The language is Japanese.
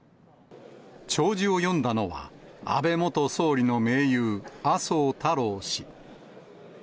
弔辞を読んだのは、安倍元総理の盟友、麻生太郎氏。